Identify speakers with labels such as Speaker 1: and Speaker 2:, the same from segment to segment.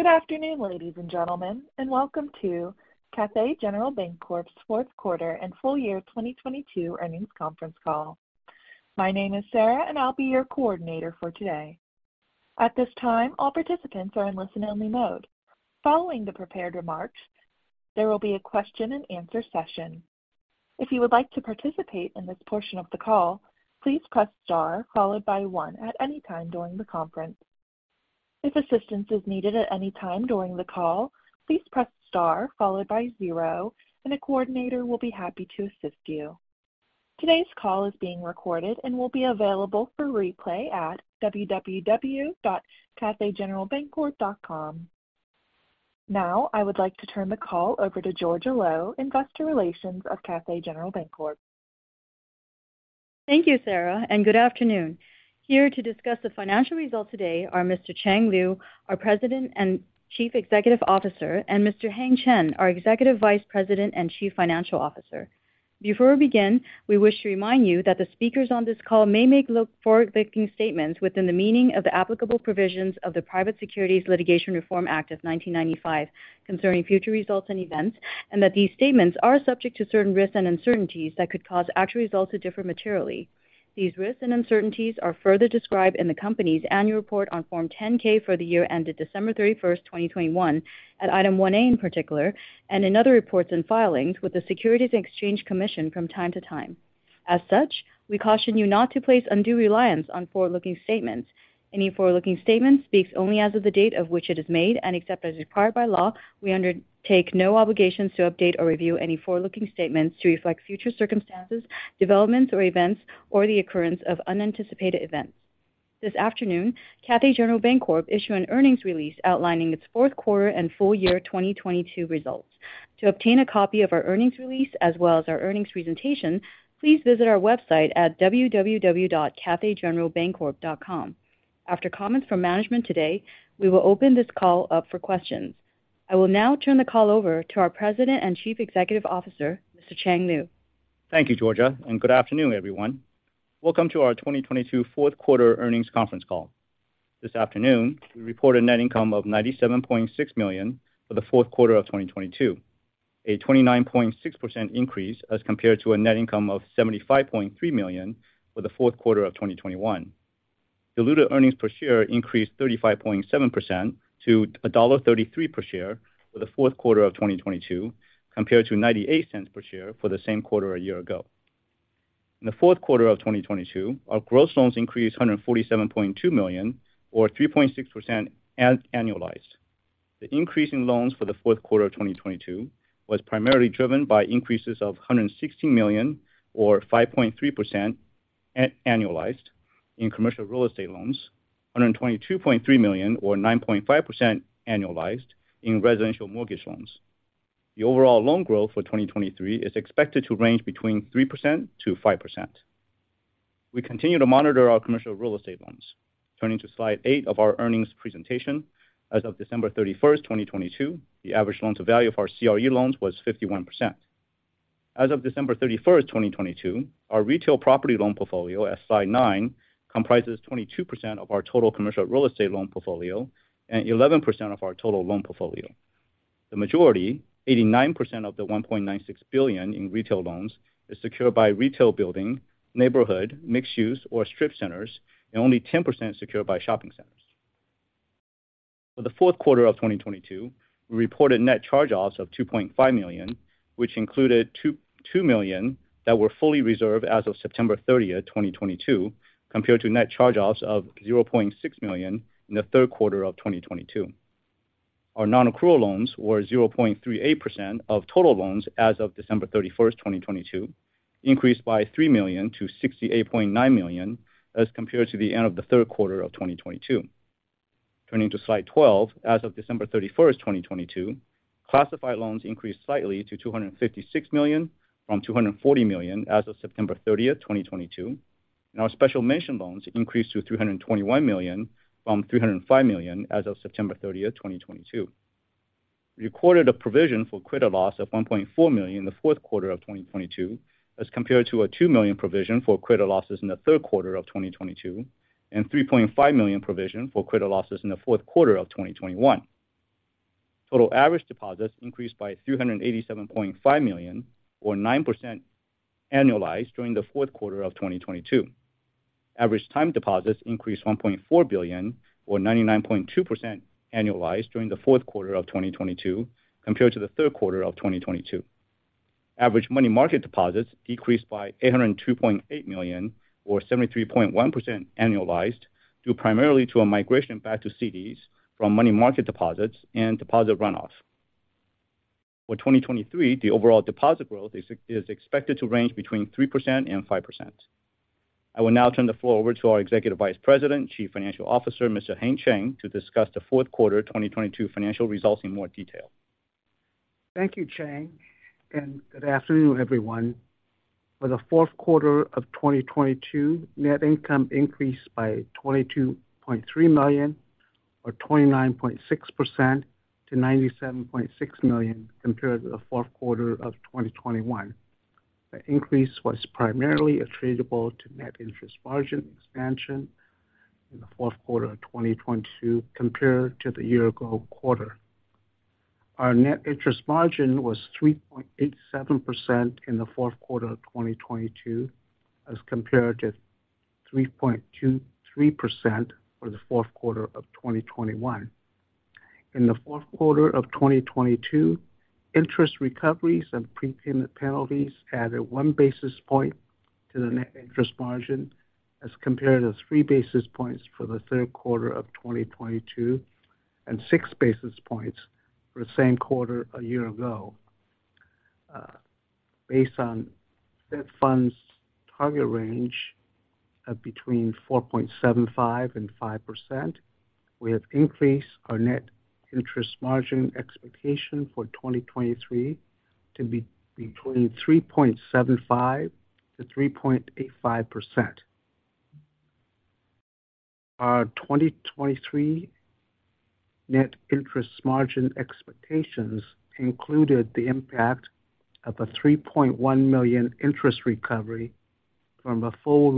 Speaker 1: Good afternoon, ladies and gentlemen, and welcome to Cathay General Bancorp's fourth quarter and full year 2022 earnings conference call. My name is Sarah, and I'll be your coordinator for today. At this time, all participants are in listen-only mode. Following the prepared remarks, there will be a question-and-answer session. If you would like to participate in this portion of the call, please press star followed by 1 at any time during the conference. If assistance is needed at any time during the call, please press star followed by 0, and a coordinator will be happy to assist you. Today's call is being recorded and will be available for replay at www.cathaygeneralbancorp.com. Now, I would like to turn the call over to Georgia Lo, Investor Relations of Cathay General Bancorp.
Speaker 2: Thank you, Sarah. Good afternoon. Here to discuss the financial results today are Mr. Chang Liu, our President and Chief Executive Officer, and Mr. Heng Chen, our Executive Vice President and Chief Financial Officer. Before we begin, we wish to remind you that the speakers on this call may make look-forward-looking statements within the meaning of the applicable provisions of the Private Securities Litigation Reform Act of 1995 concerning future results and events, and that these statements are subject to certain risks and uncertainties that could cause actual results to differ materially. These risks and uncertainties are further described in the company's annual report on Form 10-K for the year ended December 31st, 2021, at Item 1A in particular, and in other reports and filings with the Securities and Exchange Commission from time to time. As such, we caution you not to place undue reliance on forward-looking statements. Any forward-looking statement speaks only as of the date of which it is made, and except as required by law, we undertake no obligations to update or review any forward-looking statements to reflect future circumstances, developments, or events, or the occurrence of unanticipated events. This afternoon, Cathay General Bancorp issue an earnings release outlining its fourth quarter and full year 2022 results. To obtain a copy of our earnings release as well as our earnings presentation, please visit our website at www.cathaygeneralbancorp.com. After comments from management today, we will open this call up for questions. I will now turn the call over to our President and Chief Executive Officer, Mr. Chang Liu.
Speaker 3: Thank you, Georgia. Good afternoon, everyone. Welcome to our 2022 fourth quarter earnings conference call. This afternoon, we report a net income of $97.6 million for the fourth quarter of 2022, a 29.6% increase as compared to a net income of $75.3 million for the fourth quarter of 2021. Diluted earnings per share increased 35.7% to $1.33 per share for the fourth quarter of 2022, compared to $0.98 per share for the same quarter a year ago. In the fourth quarter of 2022, our gross loans increased $147.2 million or 3.6% annualized. The increase in loans for the fourth quarter of 2022 was primarily driven by increases of $160 million or 5.3% annualized in commercial real estate loans, $122.3 million or 9.5% annualized in residential mortgage loans. The overall loan growth for 2023 is expected to range between 3%-5%. We continue to monitor our commercial real estate loans. Turning to slide 8 of our earnings presentation, as of December 31st, 2022, the average loans of value for our CRE loans was 51%. As of December 31st, 2022, our retail property loan portfolio, as slide 9, comprises 22% of our total commercial real estate loan portfolio and 11% of our total loan portfolio. The majority, 89% of the $1.96 billion in retail loans, is secured by retail building, neighborhood, mixed use or strip centers. Only 10% is secured by shopping centers. For the fourth quarter of 2022, we reported net charge-offs of $2.5 million, which included $2 million that were fully reserved as of September 30th, 2022, compared to net charge-offs of $0.6 million in the third quarter of 2022. Our non-accrual loans were 0.38% of total loans as of December 31st, 2022, increased by $3 million to $68.9 million as compared to the end of the third quarter of 2022. Turning to slide 12, as of December 31, 2022, classified loans increased slightly to $256 million from $240 million as of September 30, 2022. Our special mention loans increased to $321 million from $305 million as of September 30, 2022. We recorded a provision for credit loss of $1.4 million in the fourth quarter of 2022, as compared to a $2 million provision for credit losses in the third quarter of 2022, and $3.5 million provision for credit losses in the fourth quarter of 2021. Total average deposits increased by $387.5 million or 9% annualized during the fourth quarter of 2022. Average time deposits increased $1.4 billion or 99.2% annualized during the fourth quarter of 2022 compared to the third quarter of 2022. Average money market deposits decreased by $802.8 million or 73.1% annualized, due primarily to a migration back to CDs from money market deposits and deposit runoff. For 2023, the overall deposit growth is expected to range between 3% and 5%. I will now turn the floor over to our Executive Vice President and Chief Financial Officer, Mr. Heng Chen, to discuss the fourth quarter 2022 financial results in more detail.
Speaker 4: Thank you, Chang, and good afternoon, everyone. For the fourth quarter of 2022, net income increased by $22.3 million or 29.6% to $97.6 million, compared to the fourth quarter of 2021. The increase was primarily attributable to net interest margin expansion in the fourth quarter of 2022 compared to the year ago quarter. Our net interest margin was 3.87% in the fourth quarter of 2022 as compared to 3.23% for the fourth quarter of 2021. In the fourth quarter of 2022, interest recoveries and prepayment penalties added 1 basis point to the net interest margin as compared to 3 basis points for the third quarter of 2022 and 6 basis points for the same quarter a year ago. Based on Fed funds target range of between 4.75% and 5%, we have increased our net interest margin expectation for 2023 to be between 3.75%-3.85%. Our 2023 net interest margin expectations included the impact of a $3.1 million interest recovery from a full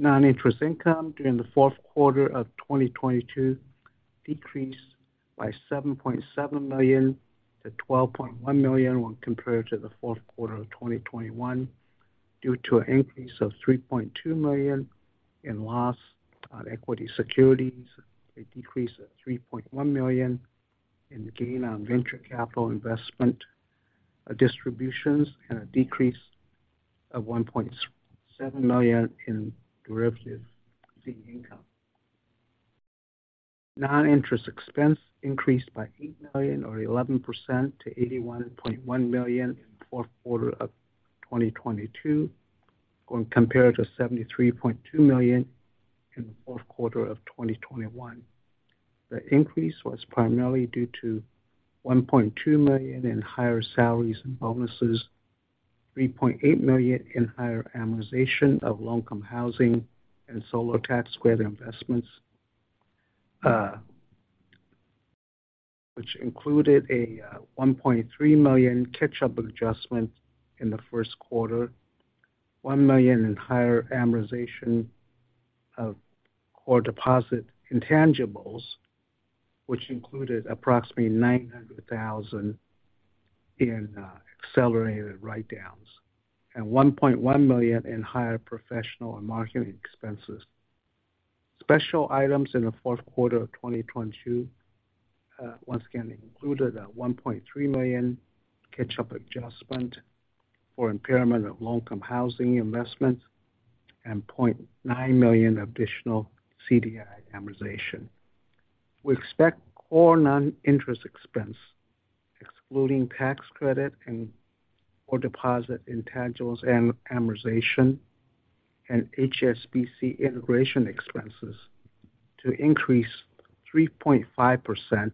Speaker 4: repayment of a non-accrual loan last week. Our non-interest income during the fourth quarter of 2022 decreased by $7.7 million to $12.1 million when compared to the fourth quarter of 2021 due to an increase of $3.2 million in loss on equity securities, a decrease of $3.1 million in gain on venture capital investment distributions and a decrease of $1.7 million in derivatives fee income. Non-interest expense increased by $8 million or 11% to $81.1 million in the fourth quarter of 2022 when compared to $73.2 million in the fourth quarter of 2021. The increase was primarily due to $1.2 million in higher salaries and bonuses, $3.8 million in higher amortization of low-income housing and solar tax credit investments, which included a $1.3 million catch-up adjustment in the first quarter, $1 million in higher amortization of core deposit intangibles, which included approximately $900,000 in accelerated write-downs and $1.1 million in higher professional and marketing expenses. Special items in the fourth quarter of 2022, once again included a $1.3 million catch-up adjustment for impairment of low-income housing investments and $0.9 million additional CDI amortization. We expect core non-interest expense excluding tax credit and core deposit intangibles amortization and HSBC integration expenses to increase 3.5%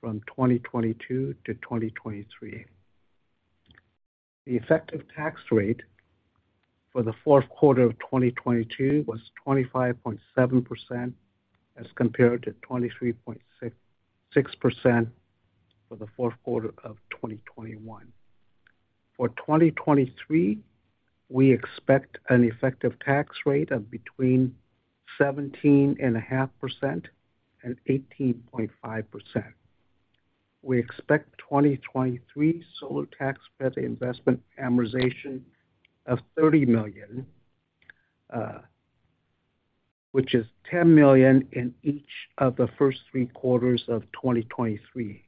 Speaker 4: from 2022 to 2023. The effective tax rate for the fourth quarter of 2022 was 25.7% as compared to 23.66% for the fourth quarter of 2021. For 2023, we expect an effective tax rate of between 17.5% and 18.5%. We expect 2023 solar tax credit investment amortization of $30 million, which is $10 million in each of the first three quarters of 2023.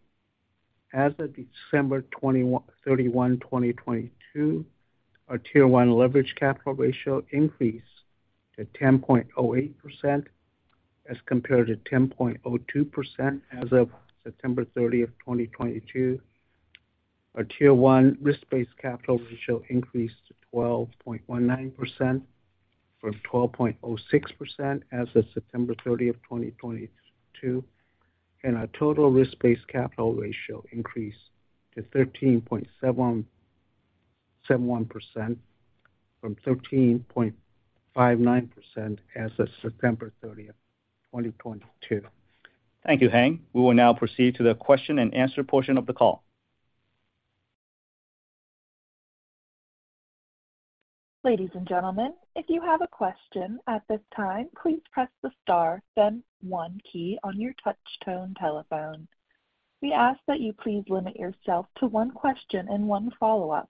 Speaker 4: As of December 31, 2022, our Tier 1 leverage capital ratio increased to 10.08% as compared to 10.02% as of September 30th, 2022. Our Tier 1 risk-based capital ratio increased to 12.19% from 12.06% as of September 30th, 2022, and our total risk-based capital ratio increased to 13.771% from 13.59% as of September 30th, 2022.
Speaker 2: Thank you, Heng. We will now proceed to the question and answer portion of the call.
Speaker 1: Ladies and gentlemen, if you have a question at this time, please press the star then one key on your touch tone telephone. We ask that you please limit yourself to 1 question and 1 follow-up.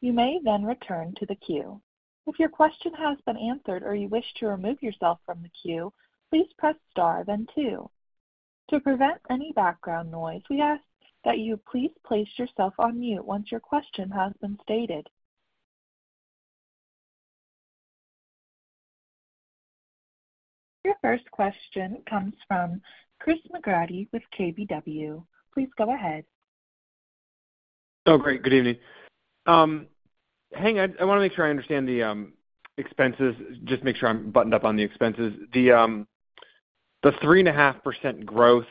Speaker 1: You may then return to the queue. If your question has been answered or you wish to remove yourself from the queue, please press star then two. To prevent any background noise, we ask that you please place yourself on mute once your question has been stated. Your first question comes from Chris McGratty with KBW. Please go ahead.
Speaker 5: Oh, great. Good evening. Hang, I wanna make sure I understand the expenses, just make sure I'm buttoned up on the expenses. The 3.5% growth,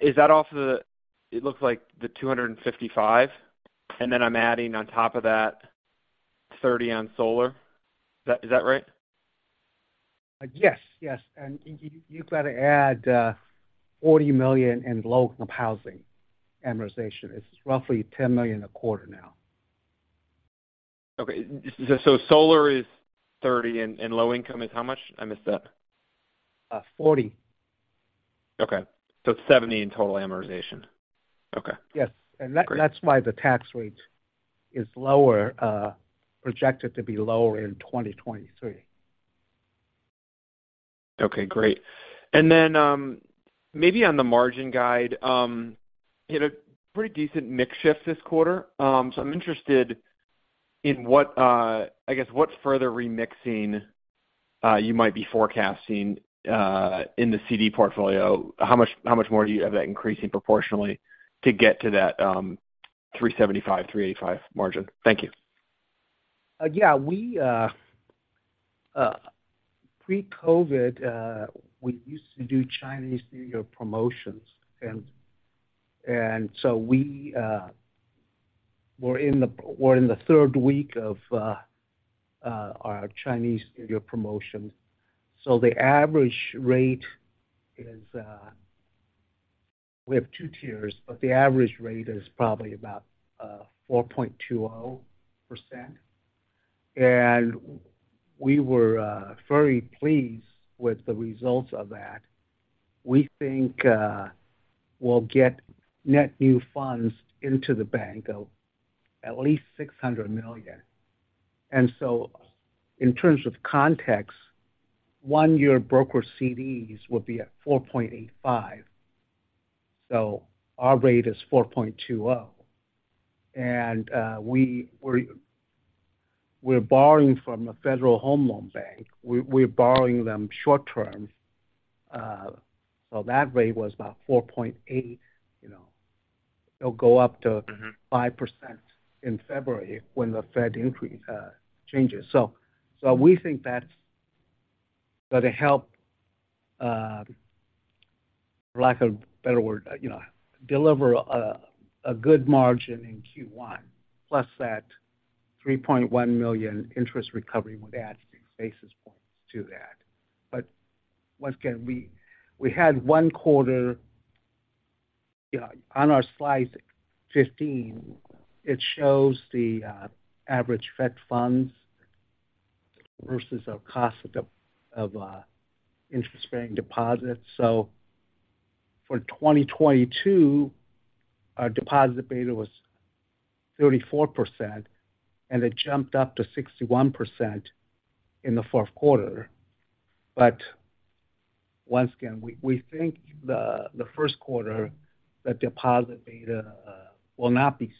Speaker 5: is that off the... It looks like the $255, and then I'm adding on top of that $30 on solar. Is that right?
Speaker 4: Yes. Yes. You gotta add, $40 million in low-income housing amortization. It's roughly $10 million a quarter now.
Speaker 5: Okay. solar is 30 and low income is how much? I missed that.
Speaker 4: 40.
Speaker 5: Okay. it's $70 in total amortization. Okay.
Speaker 4: Yes.
Speaker 5: Great.
Speaker 4: That's why the tax rate is lower, projected to be lower in 2023.
Speaker 5: Okay, great. Maybe on the margin guide, you had a pretty decent mix shift this quarter, I'm interested in I guess what further remixing you might be forecasting in the CD portfolio. How much more do you have that increasing proportionally to get to that 3.75%-3.85% margin? Thank you.
Speaker 4: Yeah. We pre-COVID, we used to do Chinese New Year promotions and so we're in the third week of our Chinese New Year promotion. The average rate is, we have two tiers, but the average rate is probably about 4.20%. And we were very pleased with the results of that. We think we'll get net new funds into the bank of at least $600 million. In terms of context, one year broker CDs will be at 4.85, so our rate is 4.20. We're borrowing from a Federal Home Loan Bank. We're borrowing them short-term, so that rate was about 4.8. You know, it'll go up to-
Speaker 5: Mm-hmm.
Speaker 4: 5% in February when the Fed increase changes. We think that's gonna help, for lack of a better word, you know, deliver a good margin in Q1, plus that $3.1 million interest recovery will add 6 basis points to that. Once again, we had one quarter... On our slide 15, it shows the average Fed funds versus the cost of interest-bearing deposits. For 2022, our deposit beta was 34%, and it jumped up to 61% in the fourth quarter. Once again, we think the first quarter, the deposit beta will not be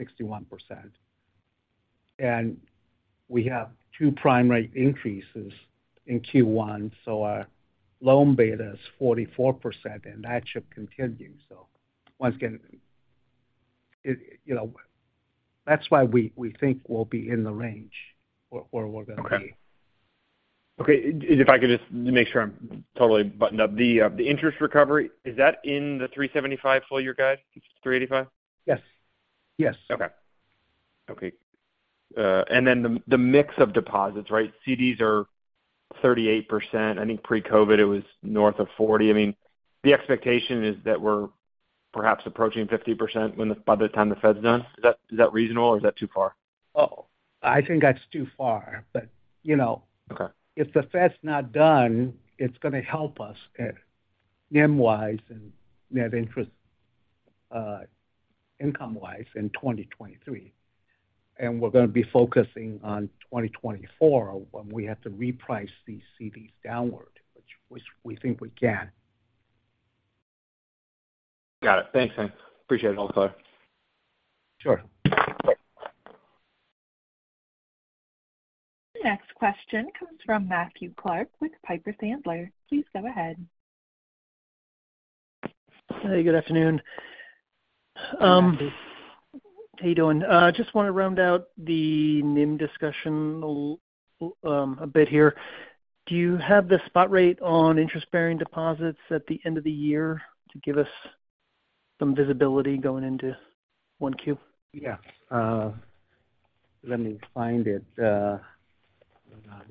Speaker 4: 61%. We have 2 prime rate increases in Q1, our loan beta is 44% and that should continue. once again, it, you know, that's why we think we'll be in the range where we're gonna be.
Speaker 5: Okay. Okay. If I could just make sure I'm totally buttoned up. The interest recovery, is that in the 375 full year guide? 385?
Speaker 4: Yes. Yes.
Speaker 5: Okay. Okay. The mix of deposits, right? CDs are 38%. I think pre-COVID it was north of 40. I mean, the expectation is that we're perhaps approaching 50% by the time the Fed's done. Is that reasonable or is that too far?
Speaker 4: Oh, I think that's too far. you know-
Speaker 5: Okay.
Speaker 4: If the Fed's not done, it's gonna help us NIM-wise and net interest income-wise in 2023. We're gonna be focusing on 2024 when we have to reprice these CDs downward, which we think we can.
Speaker 5: Got it. Thanks, Heng. Appreciate it. I'll let go.
Speaker 4: Sure.
Speaker 1: The next question comes from Matthew Clark with Piper Sandler. Please go ahead.
Speaker 6: Hey, good afternoon.
Speaker 4: Good afternoon.
Speaker 6: How you doing? Just wanna round out the NIM discussion a bit here. Do you have the spot rate on interest-bearing deposits at the end of the year to give us some visibility going into Q1?
Speaker 4: Yeah. Let me find it. Hold on.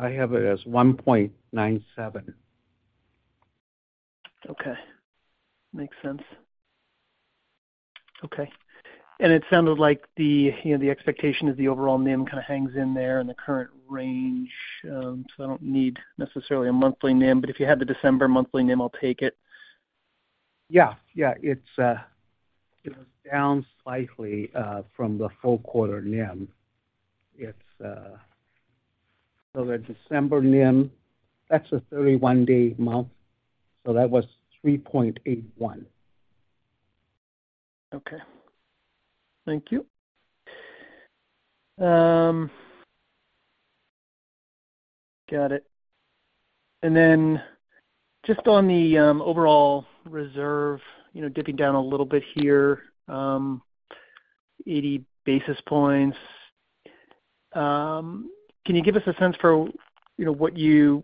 Speaker 4: I have it as 1.97.
Speaker 6: Okay. Makes sense. Okay. It sounded like the, you know, the expectation is the overall NIM kinda hangs in there in the current range. I don't need necessarily a monthly NIM, but if you have the December monthly NIM, I'll take it.
Speaker 4: Yeah. Yeah. It's, it was down slightly from the full quarter NIM. It's. The December NIM, that's a 31-day month, so that was 3.81%.
Speaker 6: Okay. Thank you. Got it. Just on the overall reserve, you know, dipping down a little bit here, 80 basis points. Can you give us a sense for, you know, what you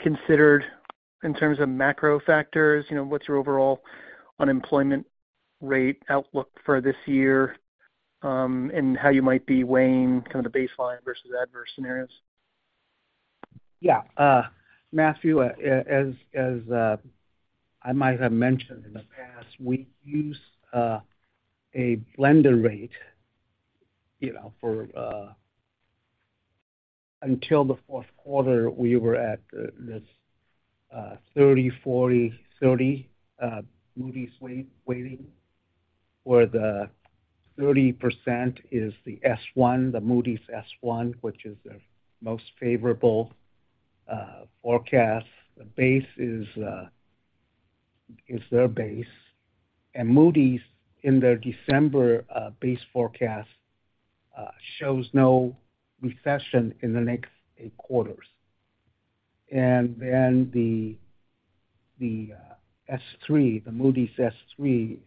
Speaker 6: considered in terms of macro factors? You know, what's your overall unemployment rate outlook for this year, and how you might be weighing the baseline versus adverse scenarios?
Speaker 4: Yeah. Matthew, I might have mentioned in the past, we use a blended rate, you know, for... Until the fourth quarter, we were at this 30/40/30 Moody's weighting, where the 30% is the S1, the Moody's S1, which is the most favorable forecast. The base is their base. Moody's, in their December base forecast, shows no recession in the next 8 quarters. The S3, the Moody's S3,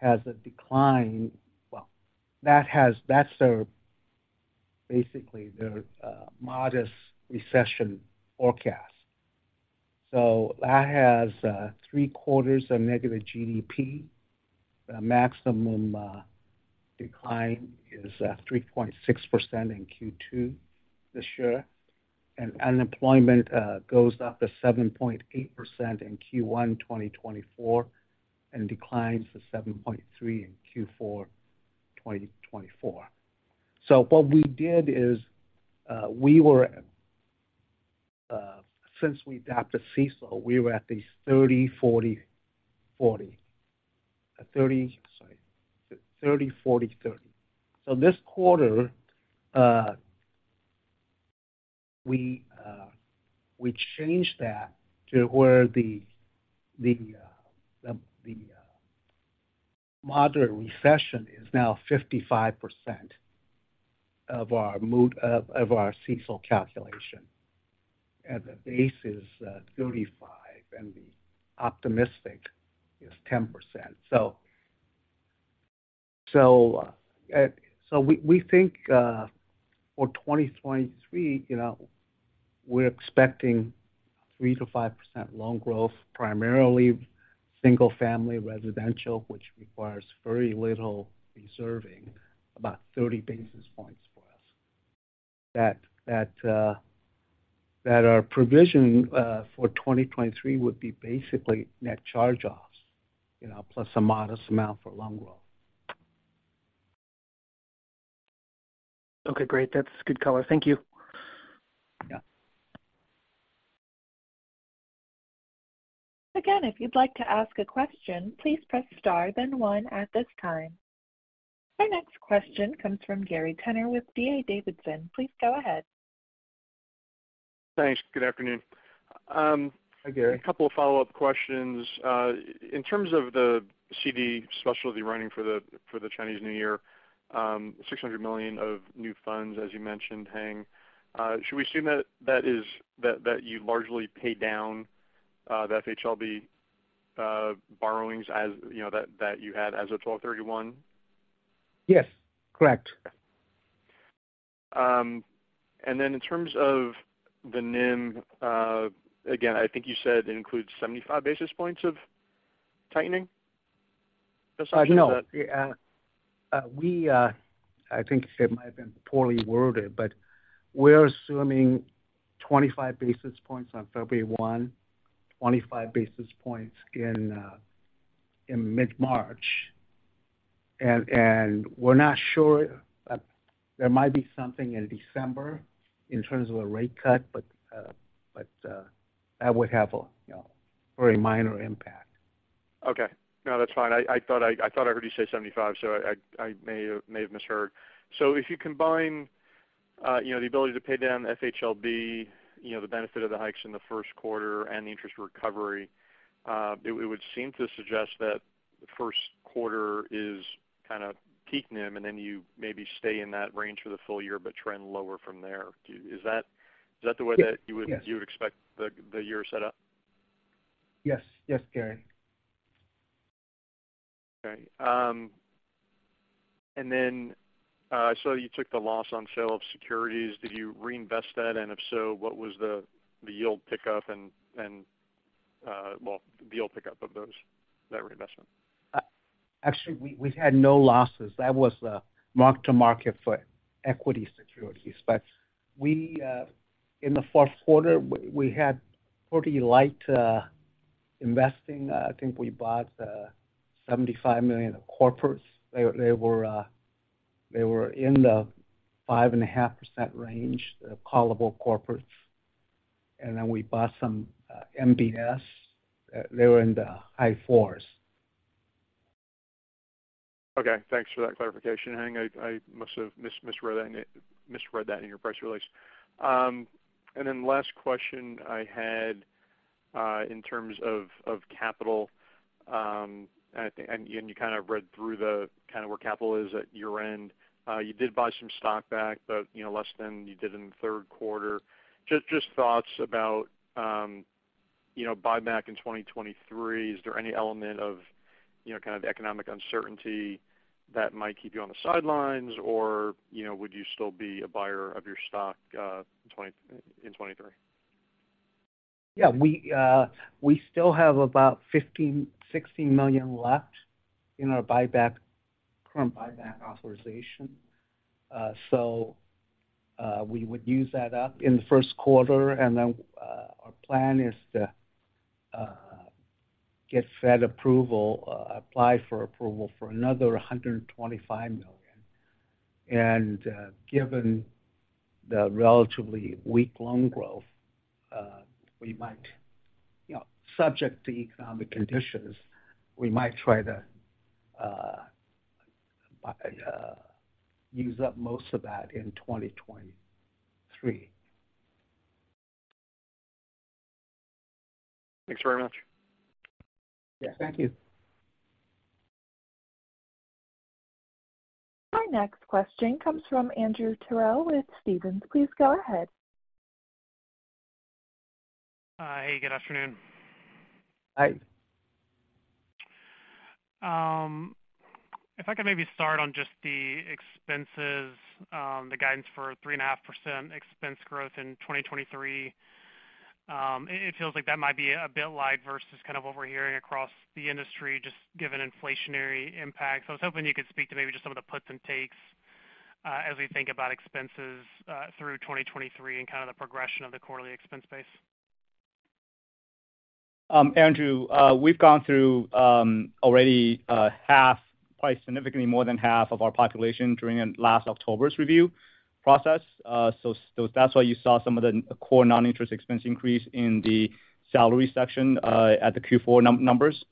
Speaker 4: has a decline. That's their, basically their, modest recession forecast. That has 3 quarters of negative GDP. The maximum decline is 3.6% in Q2 this year. Unemployment goes up to 7.8% in Q1 2024 and declines to 7.3% in Q4 2024. What we did is, since we adopted CECL, we were at this 30/40/40. Sorry. 30/40/30. This quarter, we changed that to where the moderate recession is now 55% of our CECL calculation, and the base is 35, and the optimistic is 10%. We think, for 2023, you know, we're expecting 3%-5% loan growth, primarily single family residential, which requires very little reserving, about 30 basis points for us, that our provision for 2023 would be basically net charge-offs, you know, plus a modest amount for loan growth.
Speaker 6: Okay, great. That's good color. Thank you.
Speaker 4: Yeah.
Speaker 1: Again, if you'd like to ask a question, please press star then one at this time. Our next question comes from Gary Tenner with D.A. Davidson. Please go ahead.
Speaker 7: Thanks. Good afternoon.
Speaker 4: Hi, Gary.
Speaker 7: A couple of follow-up questions. In terms of the CD specialty running for the Chinese New Year, $600 million of new funds, as you mentioned, Hang, should we assume that that is, that you largely paid down the FHLB borrowings as, you know, that you had as of 12/31?
Speaker 4: Yes, correct.
Speaker 7: In terms of the NIM, again, I think you said it includes 75 basis points of tightening?
Speaker 4: No. We, I think it might have been poorly worded, but we're assuming 25 basis points on February 1, 25 basis points in mid-March. We're not sure. There might be something in December in terms of a rate cut, but that would have a, you know, very minor impact.
Speaker 7: Okay. No, that's fine. I thought I heard you say 75, so I may have misheard. If you combine, you know, the ability to pay down FHLB, you know, the benefit of the hikes in the first quarter and the interest recovery, it would seem to suggest that the first quarter is peak NIM, and then you maybe stay in that range for the full year but trend lower from there. Do you? Is that the way?
Speaker 4: Yes. Yes.
Speaker 7: you would expect the year set up?
Speaker 4: Yes. Yes, Gary.
Speaker 7: Okay. I saw you took the loss on sale of securities. Did you reinvest that? If so, what was the yield pickup and, well, the yield pickup of those, that reinvestment?
Speaker 4: Actually we've had no losses. That was a mark-to-market for equity securities. In the fourth quarter, we had pretty light investing. I think we bought $75 million of corporates. They were in the 5.5% range, the callable corporates. Then we bought some MBS. They were in the high fours.
Speaker 7: Okay. Thanks for that clarification, Heng. I must have misread that in your press release. And then last question I had in terms of capital, and you read through the where capital is at year-end. You did buy some stock back, but, you know, less than you did in the third quarter. Just thoughts about, you know, buyback in 2023, is there any element of, you know, economic uncertainty that might keep you on the sidelines or, you know, would you still be a buyer of your stock in 2023?
Speaker 4: Yeah. We still have about $15 million, $60 million left in our current buyback authorization. We would use that up in the first quarter, then our plan is to get Fed approval, apply for approval for another $125 million. Given the relatively weak loan growth, we might, you know, subject to economic conditions, we might try to use up most of that in 2023.
Speaker 7: Thanks very much.
Speaker 4: Yes. Thank you.
Speaker 1: Our next question comes from Andrew Terrell with Stephens. Please go ahead.
Speaker 8: Hi. Good afternoon.
Speaker 4: Hi.
Speaker 8: If I could maybe start on just the expenses, the guidance for 3.5% expense growth in 2023. It feels like that might be a bit light versus what we're hearing across the industry just given inflationary impacts. I was hoping you could speak to maybe just some of the puts and takes, as we think about expenses, through 2023 and the progression of the quarterly expense base.
Speaker 3: Andrew, we've gone through, already, half, probably significantly more than half of our population during last October's review process. That's why you saw some of the core non-interest expense increase in the salary section, at the Q4 numbers.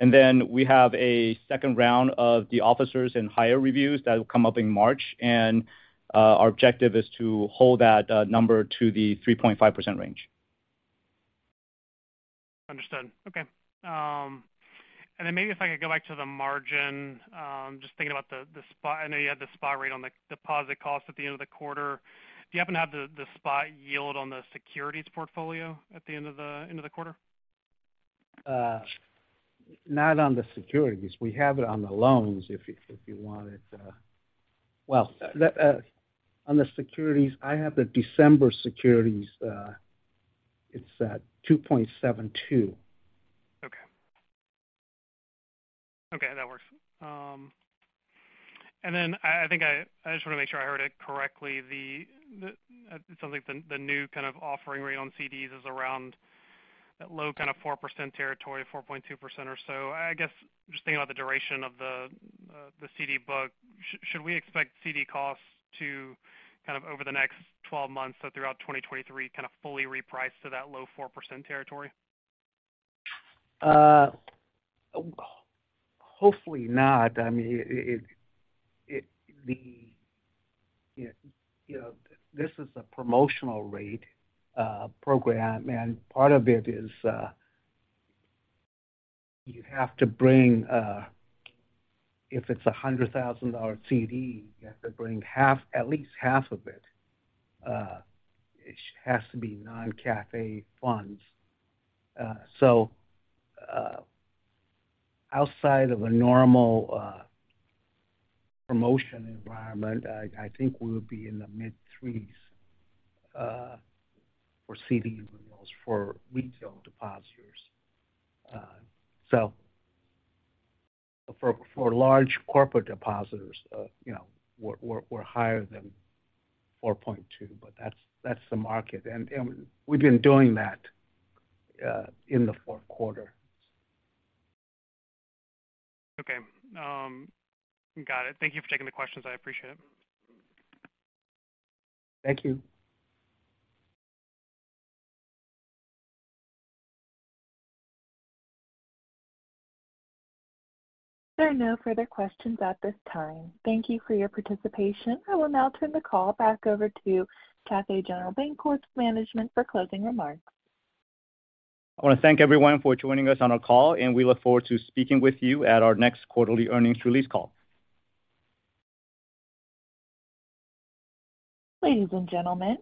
Speaker 3: We have a second round of the officers and higher reviews that will come up in March, and our objective is to hold that number to the 3.5% range.
Speaker 8: Understood. Okay. Maybe if I could go back to the margin. Just thinking about the spot. I know you had the spot rate on the deposit cost at the end of the quarter. Do you happen to have the spot yield on the securities portfolio at the end of the quarter?
Speaker 4: Not on the securities. We have it on the loans if you want it. On the securities, I have the December securities. It's at 2.72.
Speaker 8: Okay. Okay, that works. I think I just wanna make sure I heard it correctly. It sounds like the new offering rate on CDs is around that low 4% territory, 4.2% or so. I guess just thinking about the duration of the CD book, should we expect CD costs to over the next 12 months, so throughout 2023, kinda fully reprice to that low 4% territory?
Speaker 4: Hopefully not. I mean, you know, this is a promotional rate program, part of it is, you have to bring, if it's a $100,000 CD, you have to bring half, at least half of it. It has to be non-CIF funds. outside of a normal promotion environment, I think we'll be in the mid 3s for CD renewals for retail depositors. for large corporate depositors, you know, we're higher than 4.2, but that's the market. we've been doing that in the fourth quarter.
Speaker 8: Okay. Got it. Thank you for taking the questions. I appreciate it.
Speaker 4: Thank you.
Speaker 1: There are no further questions at this time. Thank you for your participation. I will now turn the call back over to Cathay General Bancorp's management for closing remarks.
Speaker 3: I wanna thank everyone for joining us on our call, and we look forward to speaking with you at our next quarterly earnings release call.
Speaker 1: Ladies and gentlemen,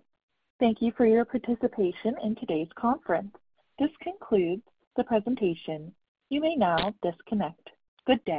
Speaker 1: thank you for your participation in today's conference. This concludes the presentation. You may now disconnect. Good day.